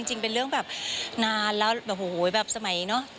จริงเป็นเรื่องแบบนานแล้วแบบโอ้โหแบบสมัยเนอะ